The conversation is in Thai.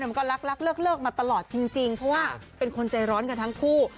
มันก็รักเลิกมาตลอดจริงเพราะว่าเป็นคนใจร้อนกันทั้งคู่